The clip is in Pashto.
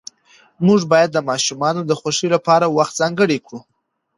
موږ باید د ماشومانو د خوښۍ لپاره وخت ځانګړی کړو